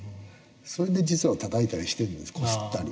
それで実はたたいたりしてるんですこすったり。